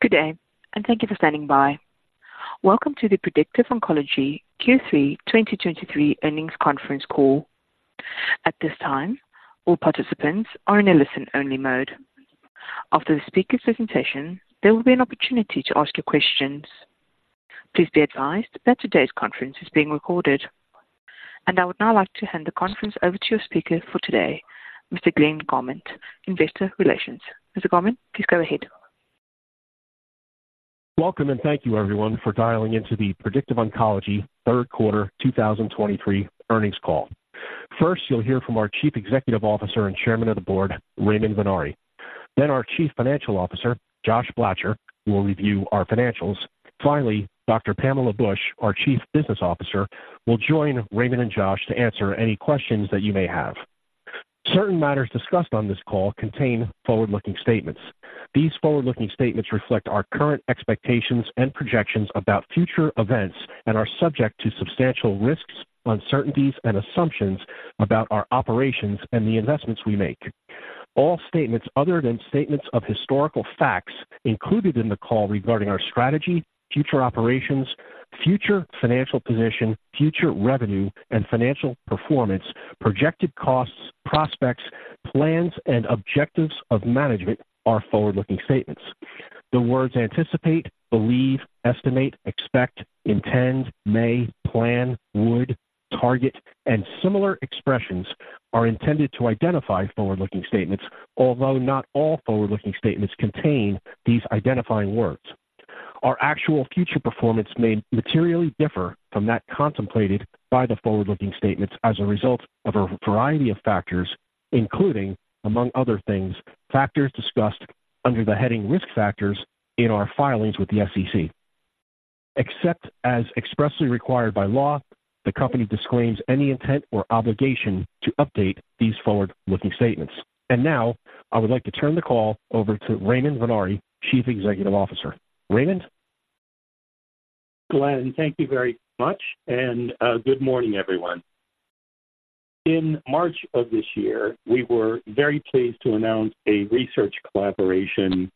Good day, and thank you for standing by. Welcome to the Predictive Oncology Q3 2023 Earnings Conference Call. At this time, all participants are in a listen-only mode. After the speaker's presentation, there will be an opportunity to ask your questions. Please be advised that today's conference is being recorded. I would now like to hand the conference over to your speaker for today, Mr. Glenn Garmont, Investor Relations. Mr. Garmont, please go ahead. Welcome, and thank you everyone for dialing into the Predictive Oncology third quarter 2023 earnings call. First, you'll hear from our Chief Executive Officer and Chairman of the Board, Raymond Vennare. Then our Chief Financial Officer, Josh Blacher, will review our financials. Finally, Dr. Pamela Bush, our Chief Business Officer, will join Raymond and Josh to answer any questions that you may have. Certain matters discussed on this call contain forward-looking statements. These forward-looking statements reflect our current expectations and projections about future events and are subject to substantial risks, uncertainties, and assumptions about our operations and the investments we make. All statements other than statements of historical facts included in the call regarding our strategy, future operations, future financial position, future revenue and financial performance, projected costs, prospects, plans, and objectives of management are forward-looking statements. The words anticipate, believe, estimate, expect, intend, may, plan, would, target, and similar expressions are intended to identify forward-looking statements, although not all forward-looking statements contain these identifying words. Our actual future performance may materially differ from that contemplated by the forward-looking statements as a result of a variety of factors, including, among other things, factors discussed under the heading Risk Factors in our filings with the SEC. Except as expressly required by law, the company disclaims any intent or obligation to update these forward-looking statements. Now, I would like to turn the call over to Raymond Vennare, Chief Executive Officer. Raymond? Glenn, thank you very much, and, good morning, everyone. In March of this year, we were very pleased to announce a research collaboration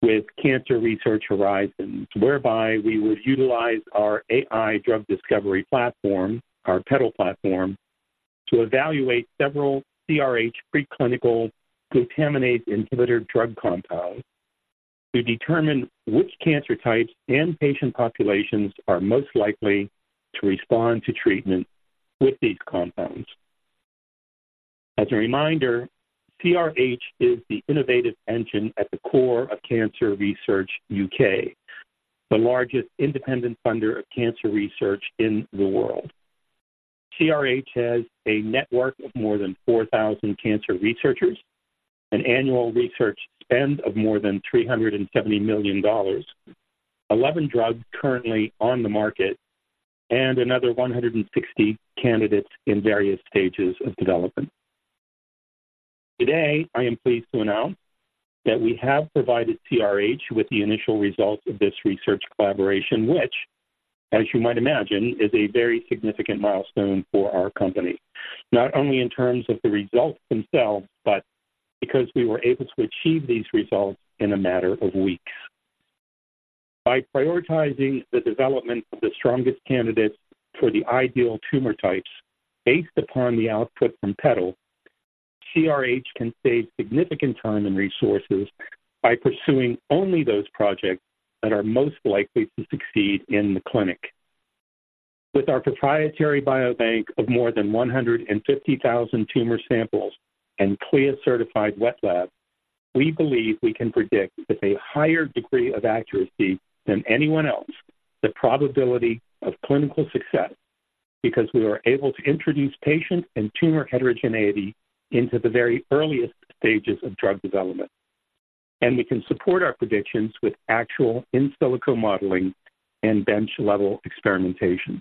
with Cancer Research Horizons, whereby we would utilize our AI drug discovery platform, our PEDAL platform, to evaluate several CRH preclinical glutaminase inhibitor drug compounds to determine which cancer types and patient populations are most likely to respond to treatment with these compounds. As a reminder, CRH is the innovative engine at the core of Cancer Research UK, the largest independent funder of cancer research in the world. CRH has a network of more than 4,000 cancer researchers, an annual research spend of more than $370 million, 11 drugs currently on the market, and another 160 candidates in various stages of development. Today, I am pleased to announce that we have provided CRH with the initial results of this research collaboration, which, as you might imagine, is a very significant milestone for our company, not only in terms of the results themselves, but because we were able to achieve these results in a matter of weeks. By prioritizing the development of the strongest candidates for the ideal tumor types, based upon the output from PEDAL, CRH can save significant time and resources by pursuing only those projects that are most likely to succeed in the clinic. With our proprietary biobank of more than 150,000 tumor samples and CLIA-certified wet lab, we believe we can predict, with a higher degree of accuracy than anyone else, the probability of clinical success, because we are able to introduce patient and tumor heterogeneity into the very earliest stages of drug development. We can support our predictions with actual in silico modeling and bench-level experimentation.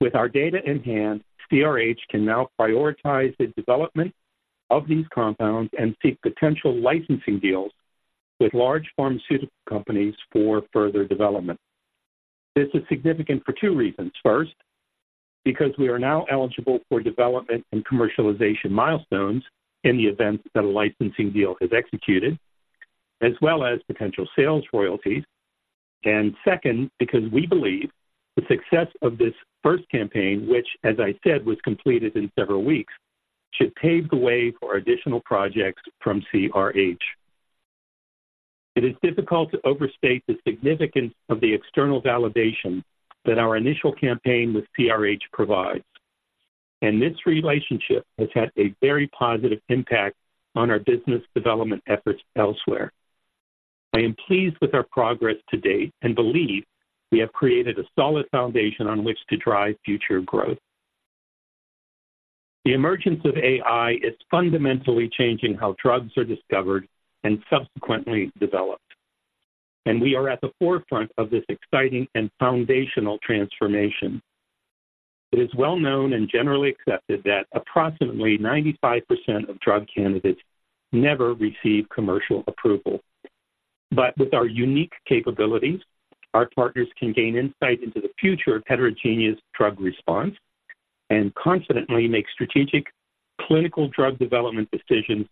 With our data in hand, CRH can now prioritize the development of these compounds and seek potential licensing deals with large pharmaceutical companies for further development. This is significant for two reasons. First, because we are now eligible for development and commercialization milestones in the event that a licensing deal is executed, as well as potential sales royalties. And second, because we believe the success of this first campaign, which, as I said, was completed in several weeks, should pave the way for additional projects from CRH. It is difficult to overstate the significance of the external validation that our initial campaign with CRH provides, and this relationship has had a very positive impact on our business development efforts elsewhere. I am pleased with our progress to date and believe we have created a solid foundation on which to drive future growth. The emergence of AI is fundamentally changing how drugs are discovered and subsequently developed, and we are at the forefront of this exciting and foundational transformation. It is well known and generally accepted that approximately 95% of drug candidates never receive commercial approval. But with our unique capabilities, our partners can gain insight into the future of heterogeneous drug response and confidently make strategic clinical drug development decisions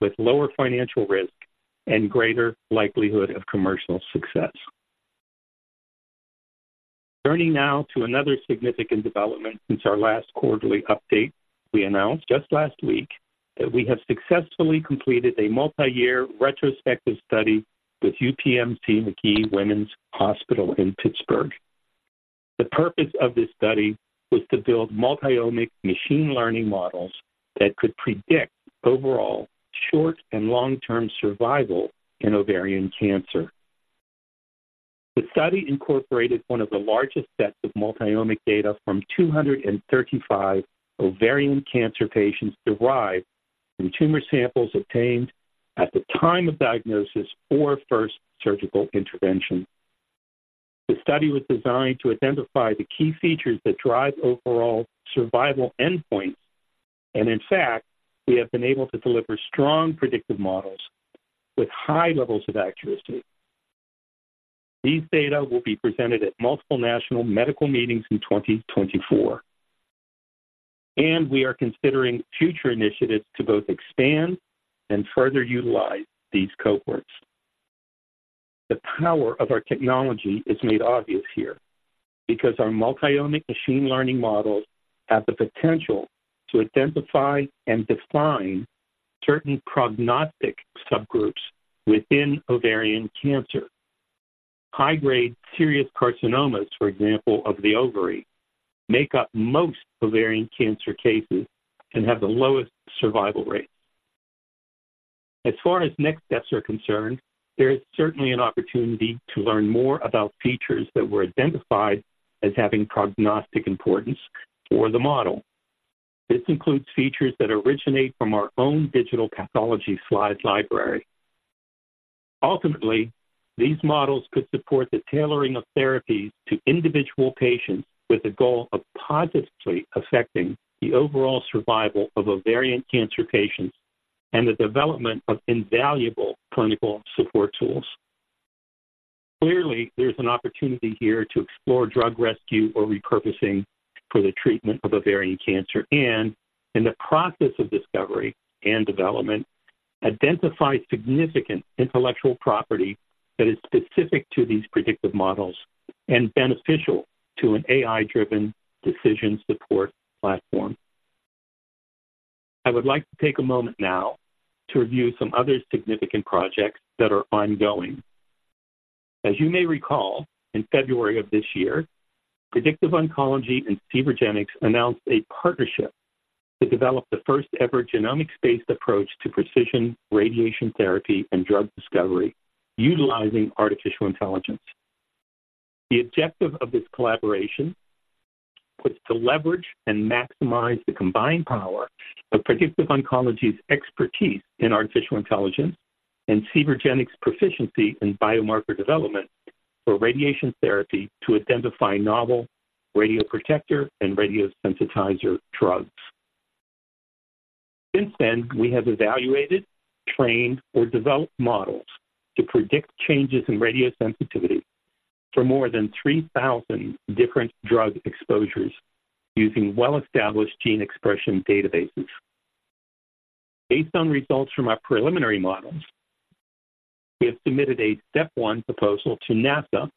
with lower financial risk and greater likelihood of commercial success. Turning now to another significant development since our last quarterly update, we announced just last week that we have successfully completed a multi-year retrospective study with UPMC Magee-Womens Hospital in Pittsburgh. The purpose of this study was to build multi-omic machine learning models that could predict overall short and long-term survival in ovarian cancer. The study incorporated one of the largest sets of multi-omic data from 235 ovarian cancer patients, derived from tumor samples obtained at the time of diagnosis or first surgical intervention. The study was designed to identify the key features that drive overall survival endpoints, and in fact, we have been able to deliver strong predictive models with high levels of accuracy. These data will be presented at multiple national medical meetings in 2024, and we are considering future initiatives to both expand and further utilize these cohorts. The power of our technology is made obvious here, because our multi-omic machine learning models have the potential to identify and define certain prognostic subgroups within ovarian cancer. High-grade serous carcinomas, for example, of the ovary, make up most ovarian cancer cases and have the lowest survival rates. As far as next steps are concerned, there is certainly an opportunity to learn more about features that were identified as having prognostic importance for the model. This includes features that originate from our own digital pathology slide library. Ultimately, these models could support the tailoring of therapies to individual patients with the goal of positively affecting the overall survival of ovarian cancer patients and the development of invaluable clinical support tools. Clearly, there's an opportunity here to explore drug rescue or repurposing for the treatment of ovarian cancer, and in the process of discovery and development, identify significant intellectual property that is specific to these predictive models and beneficial to an AI-driven decision support platform. I would like to take a moment now to review some other significant projects that are ongoing. As you may recall, in February of this year, Predictive Oncology and Cvergenx announced a partnership to develop the first-ever genomics-based approach to precision radiation therapy and drug discovery utilizing artificial intelligence. The objective of this collaboration was to leverage and maximize the combined power of Predictive Oncology's expertise in artificial intelligence and Cvergenx's proficiency in biomarker development for radiation therapy to identify novel radioprotector and radiosensitizer drugs. Since then, we have evaluated, trained, or developed models to predict changes in radiosensitivity for more than 3,000 different drug exposures using well-established gene expression databases. Based on results from our preliminary models, we have submitted a step one proposal to NASA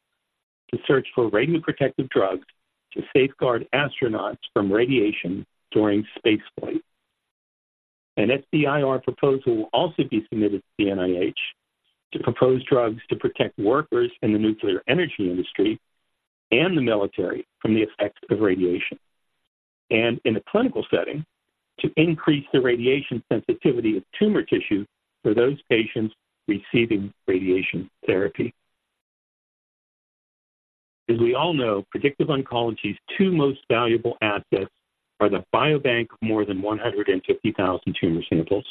to search for radioprotective drugs to safeguard astronauts from radiation during spaceflight. An SBIR proposal will also be submitted to the NIH to propose drugs to protect workers in the nuclear energy industry and the military from the effects of radiation, and in a clinical setting, to increase the radiation sensitivity of tumor tissue for those patients receiving radiation therapy. As we all know, Predictive Oncology's two most valuable assets are the biobank of more than 150,000 tumor samples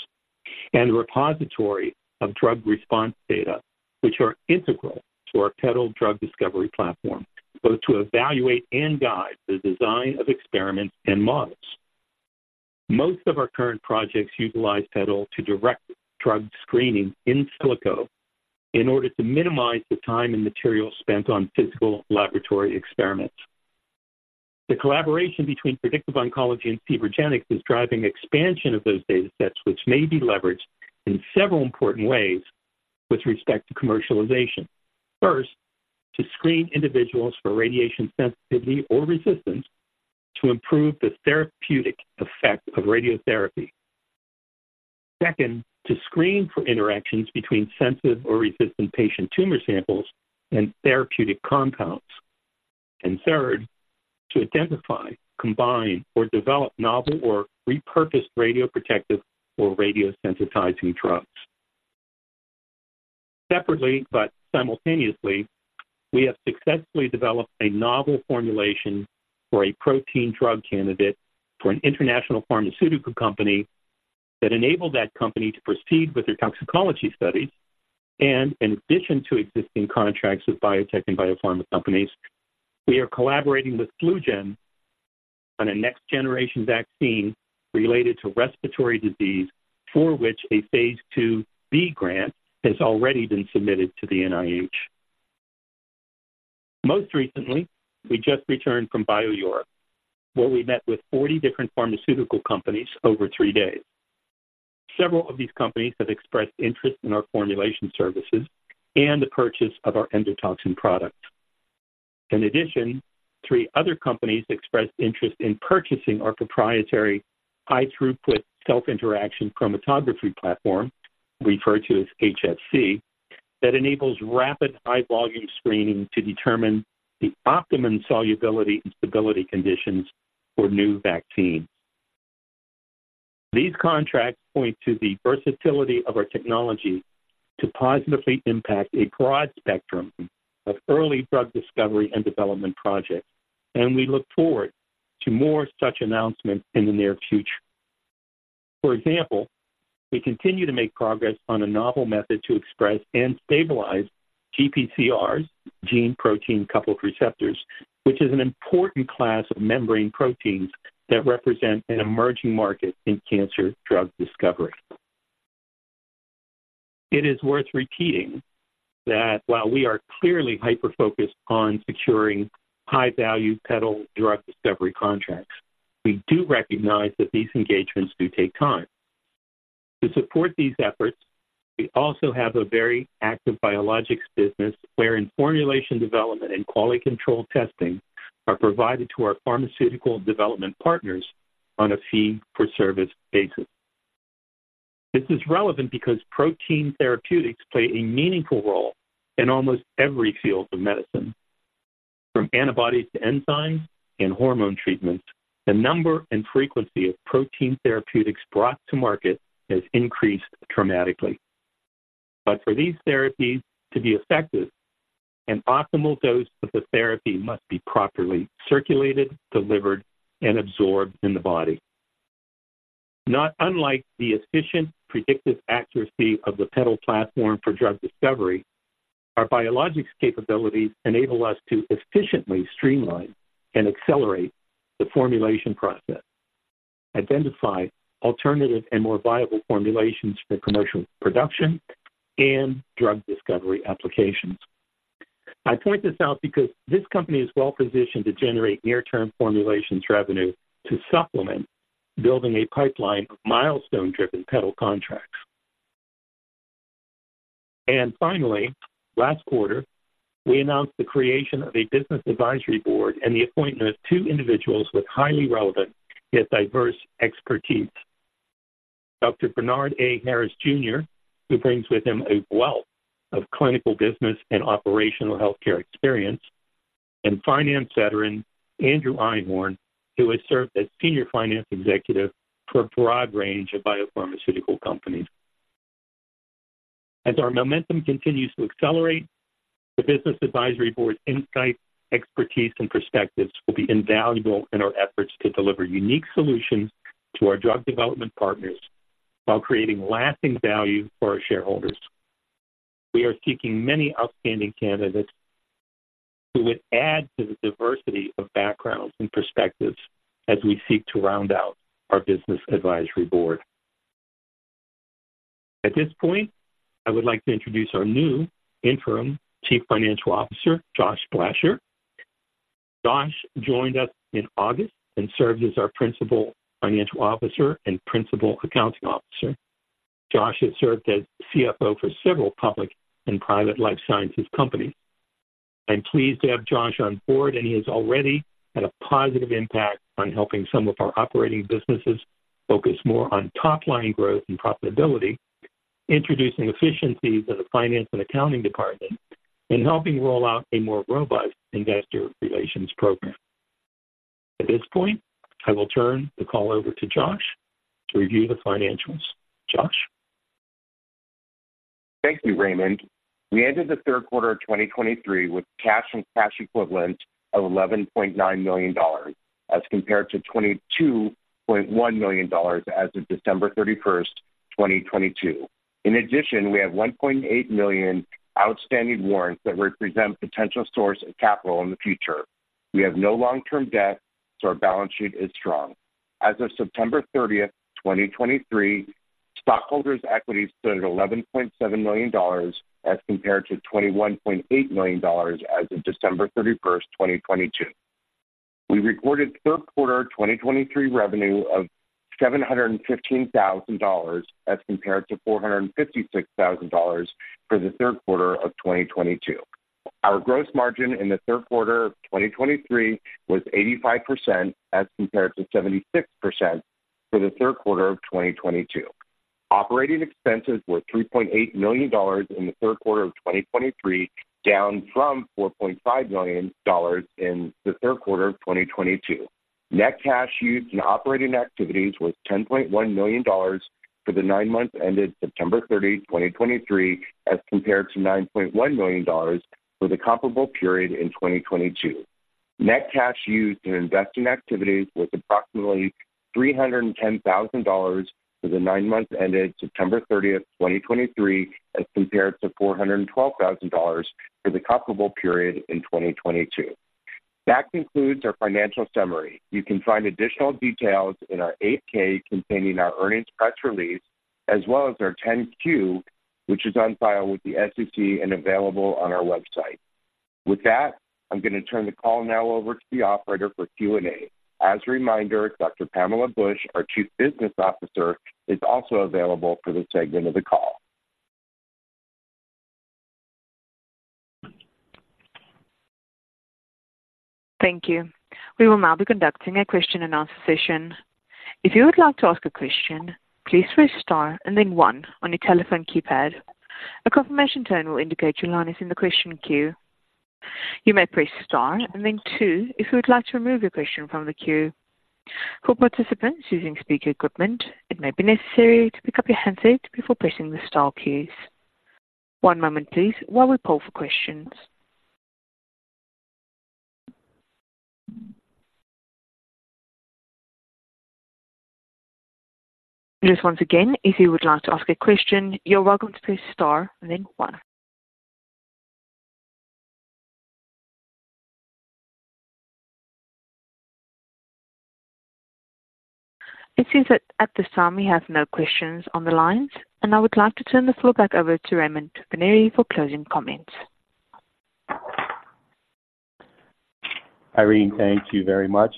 and a repository of drug response data, which are integral to our PEDAL drug discovery platform, both to evaluate and guide the design of experiments and models. Most of our current projects utilize PEDAL to direct drug screening in silico in order to minimize the time and material spent on physical laboratory experiments. The collaboration between Predictive Oncology and Cvergenx is driving expansion of those data sets, which may be leveraged in several important ways with respect to commercialization. First, to screen individuals for radiation sensitivity or resistance to improve the therapeutic effect of radiotherapy. Second, to screen for interactions between sensitive or resistant patient tumor samples and therapeutic compounds. And third, to identify, combine, or develop novel or repurposed radioprotective or radiosensitizing drugs. Separately but simultaneously, we have successfully developed a novel formulation for a protein drug candidate for an international pharmaceutical company that enabled that company to proceed with their toxicology studies. And in addition to existing contracts with biotech and biopharma companies, we are collaborating with FluGen on a next-generation vaccine related to respiratory disease, for which a phase IIB grant has already been submitted to the NIH. Most recently, we just returned from BIO-Europe, where we met with 40 different pharmaceutical companies over three days. Several of these companies have expressed interest in our formulation services and the purchase of our endotoxin products. In addition, three other companies expressed interest in purchasing our proprietary High Throughput Self-Interaction Chromatography platform, referred to as HSC, that enables rapid high-volume screening to determine the optimum solubility and stability conditions for new vaccines. These contracts point to the versatility of our technology to positively impact a broad spectrum of early drug discovery and development projects, and we look forward to more such announcements in the near future. For example, we continue to make progress on a novel method to express and stabilize GPCRs, G protein-coupled receptors, which is an important class of membrane proteins that represent an emerging market in cancer drug discovery. It is worth repeating that while we are clearly hyper-focused on securing high-value PEDAL drug discovery contracts, we do recognize that these engagements do take time. To support these efforts, we also have a very active biologics business, wherein formulation development and quality control testing are provided to our pharmaceutical development partners on a fee-for-service basis. This is relevant because protein therapeutics play a meaningful role in almost every field of medicine, from antibodies to enzymes and hormone treatments. The number and frequency of protein therapeutics brought to market has increased dramatically. But for these therapies to be effective, an optimal dose of the therapy must be properly circulated, delivered, and absorbed in the body. Not unlike the efficient predictive accuracy of the PEDAL platform for drug discovery, our biologics capabilities enable us to efficiently streamline and accelerate the formulation process, identify alternative and more viable formulations for commercial production and drug discovery applications. I point this out because this company is well-positioned to generate near-term formulations revenue to supplement building a pipeline of milestone-driven PEDAL contracts. Finally, last quarter, we announced the creation of a business advisory board and the appointment of two individuals with highly relevant, yet diverse expertise. Dr. Bernard A. Harris Jr., who brings with him a wealth of clinical, business, and operational healthcare experience, and finance veteran Andrew Einhorn, who has served as senior finance executive for a broad range of biopharmaceutical companies. As our momentum continues to accelerate, the business advisory board's insights, expertise, and perspectives will be invaluable in our efforts to deliver unique solutions to our drug development partners while creating lasting value for our shareholders. We are seeking many outstanding candidates who would add to the diversity of backgrounds and perspectives as we seek to round out our business advisory board. At this point, I would like to introduce our new Interim Chief Financial Officer, Josh Blacher. Josh joined us in August and served as our principal financial officer and principal accounting officer. Josh has served as CFO for several public and private life sciences companies. I'm pleased to have Josh on board, and he has already had a positive impact on helping some of our operating businesses focus more on top-line growth and profitability, introducing efficiencies in the finance and accounting department, and helping roll out a more robust investor relations program. At this point, I will turn the call over to Josh to review the financials. Josh? Thank you, Raymond. We ended the third quarter of 2023 with cash and cash equivalents of $11.9 million, as compared to $22.1 million as of December 31, 2022. In addition, we have 1.8 million outstanding warrants that represent potential source of capital in the future. We have no long-term debt, so our balance sheet is strong. As of September 30, 2023, stockholders' equity stood at $11.7 million, as compared to $21.8 million as of December 31, 2022. We recorded third quarter 2023 revenue of $715,000, as compared to $456,000 for the third quarter of 2022. Our gross margin in the third quarter of 2023 was 85%, as compared to 76% for the third quarter of 2022. Operating expenses were $3.8 million in the third quarter of 2023, down from $4.5 million in the third quarter of 2022. Net cash used in operating activities was $10.1 million for the nine months ended September 30, 2023, as compared to $9.1 million for the comparable period in 2022. Net cash used in investing activities was approximately $310,000 for the nine months ended September 30, 2023, as compared to $412,000 for the comparable period in 2022. That concludes our financial summary. You can find additional details in our 8-K containing our earnings press release, as well as our 10-Q, which is on file with the SEC and available on our website. With that, I'm going to turn the call now over to the operator for Q&A. As a reminder, Dr. Pamela Bush, our Chief Business Officer, is also available for this segment of the call. Thank you. We will now be conducting a question-and-answer session. If you would like to ask a question, please press star and then one on your telephone keypad. A confirmation tone will indicate your line is in the question queue. You may press star and then two if you would like to remove your question from the queue. For participants using speaker equipment, it may be necessary to pick up your handset before pressing the star keys. One moment please, while we poll for questions. Just once again, if you would like to ask a question, you're welcome to press star and then one. It seems that at this time we have no questions on the lines, and I would like to turn the floor back over to Raymond Vennare for closing comments. Irene, thank you very much.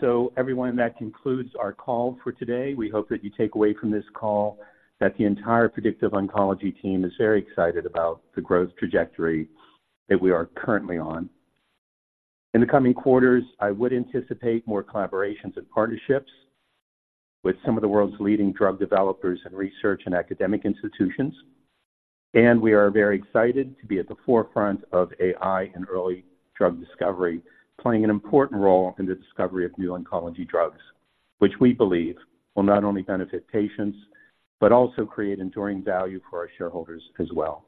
So everyone, that concludes our call for today. We hope that you take away from this call that the entire Predictive Oncology team is very excited about the growth trajectory that we are currently on. In the coming quarters, I would anticipate more collaborations and partnerships with some of the world's leading drug developers and research and academic institutions. And we are very excited to be at the forefront of AI and early drug discovery, playing an important role in the discovery of new oncology drugs, which we believe will not only benefit patients, but also create enduring value for our shareholders as well.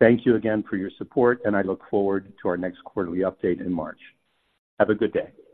Thank you again for your support, and I look forward to our next quarterly update in March. Have a good day.